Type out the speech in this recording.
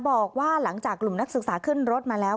บอกว่าหลังจากกลุ่มนักศึกษาขึ้นรถมาแล้ว